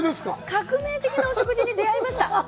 革命的なお食事に出会いました。